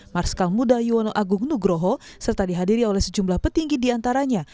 marskal muda yuwono agung nugroho serta dihadiri oleh sejumlah petinggi diantaranya